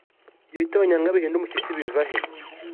Ibyo bitonyanga bihinda umushyitsi biva he